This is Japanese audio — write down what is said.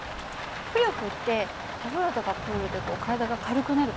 浮力ってお風呂とかプールで体が軽くなる感じ？